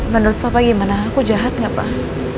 menurut papa gimana aku jahat gak pak